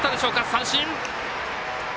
三振！